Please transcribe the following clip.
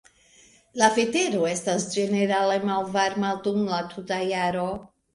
La vetero estas ĝenerale malvarma dum la tuta jaro.